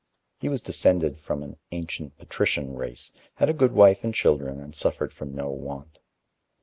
He was descended from an ancient patrician race, had a good wife and children, and suffered from no want.